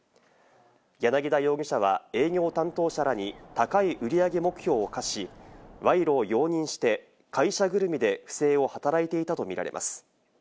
柳田容疑者は営業担当者らに高い売り上げ目標を課し、賄賂を容認して、会社ぐるみで不正を働いていたとみられます。